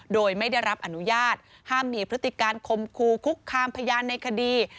โดยไม่ได้รับอนุญาตห้ามมีพฤติการคมครูคุกคามพยานในคดี